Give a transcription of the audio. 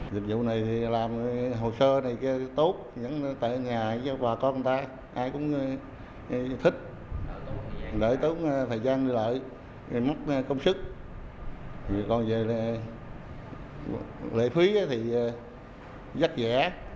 dịch vụ này thì làm hồ sơ này tốt nhấn tệ nhà cho bà con người ta ai cũng thích đợi tốn thời gian đi lại mất công sức còn về lễ phí thì vắt vẽ